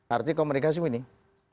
artinya komunikasi wining